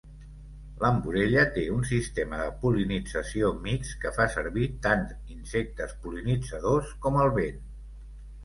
L'"Amborella" té un sistema de pol·linització mixt que fa servir tant insectes pol·linitzadors com el vent.